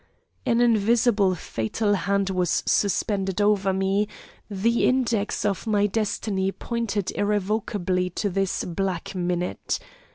An invisible fatal hand was suspended over me, the index of my destiny pointed irrevocably to this black minute.